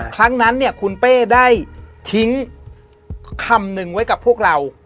ครั้งนั้นเนี่ยคุณเป้ได้ทิ้งคำหนึ่งไว้กับพวกเรา